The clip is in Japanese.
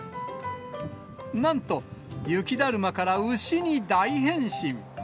なんと、雪だるまから牛に大変身。